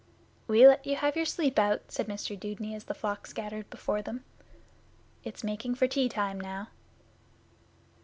'We let you have your sleep out,' said Mr Dudeney, as the flock scattered before them. 'It's making for tea time now.